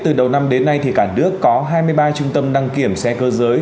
từ đầu năm đến nay cả nước có hai mươi ba trung tâm đăng kiểm xe cơ giới